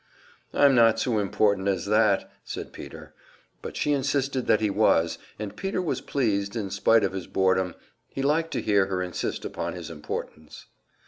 "I'm not so important as that," said Peter; but she insisted that he was, and Peter was pleased, in spite of his boredom, he liked to hear her insist upon his importance.